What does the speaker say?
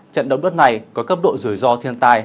trận động đất này có cấp độ rủi ro thiên tai